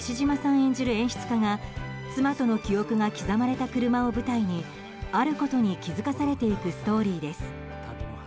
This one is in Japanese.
演じる演出家が妻との記憶が刻まれた車を舞台にあることに気づかされていくストーリーです。